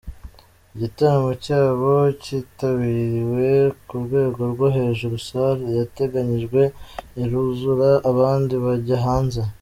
Igitaramo cyabo kitabiriwe ku rwego rwo hejuru salle yateganyijwe iruzura abandi bajya hanze.